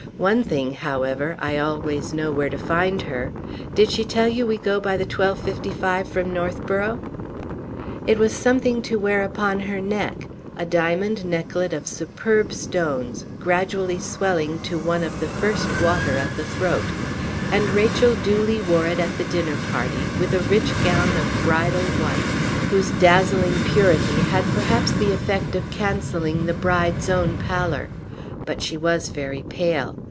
One thing, however, I always know where to find her! Did she tell you we go by the 12:55 from Northborough?" It was something to wear upon her neck a diamond necklet of superb stones, gradually swelling to one of the first water at the throat; and Rachel duly wore it at the dinner party, with a rich gown of bridal white, whose dazzling purity had perhaps the effect of cancelling the bride's own pallor. But she was very pale.